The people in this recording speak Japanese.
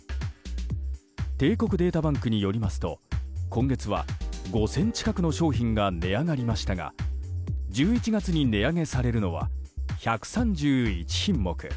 帝国データバンクによりますと今月は５０００近くの商品が値上がりましたが１１月に値上げされるのは１３１品目。